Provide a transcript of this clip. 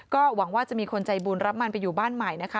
ก็หวังว่าจะมีคนใจบุญรับมันไปอยู่บ้านใหม่นะคะ